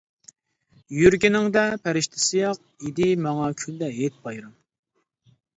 يۈرگىنىڭدە پەرىشتە سىياق، ئىدى ماڭا كۈندە ھېيت-بايرام.